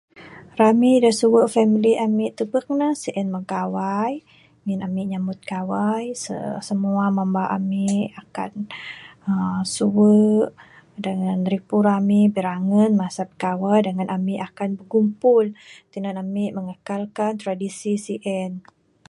Rami da suwe family ami tubek ne sien mah gawai ngin ami nyambut gawai semua mamba ami akan uhh suwe dangan ripu rami birangen masa bigawai dangan ami akan bigumpul tinan ami mengekalkan tradisi sien.